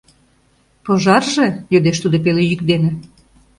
Пожарже? — йодеш тудо пеле йӱк дене.